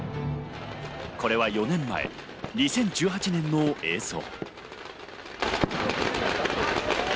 これは４年前、２０１８年の映像。